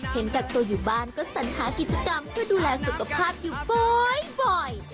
กักตัวอยู่บ้านก็สัญหากิจกรรมเพื่อดูแลสุขภาพอยู่บ่อย